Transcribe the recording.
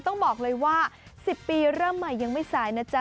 ต้องบอกเลยว่า๑๐ปีเริ่มใหม่ยังไม่สายนะจ๊ะ